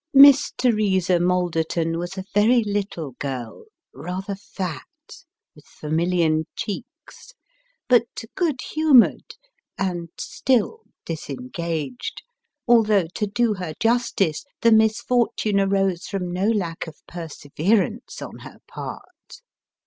Miss Teresa Malderton was a very little girl, rather fat, with vermilion cheeks, but good humoured, and still disengaged, although, to do her justice, the misfortune arose from no lack of perseverance on her part.